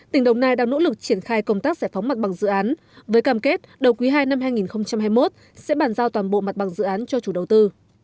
tỉnh đồng nai đang nỗ lực triển khai công tác giải phóng mặt bằng dự án với cam kết đầu quý ii năm hai nghìn hai mươi một sẽ bàn giao toàn bộ mặt bằng dự án cho chủ đầu tư